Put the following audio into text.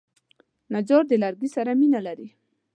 نجار د لرګي سره مینه لري.